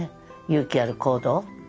勇気ある行動。